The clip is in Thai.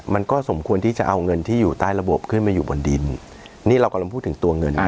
มันก็สมควรที่จะเอาเงินที่อยู่ใต้ระบบขึ้นมาอยู่บนดินนี่เรากำลังพูดถึงตัวเงิน